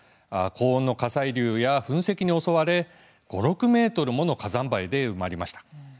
高温の火砕流や噴石に襲われ５、６ｍもの火山灰で埋まりました。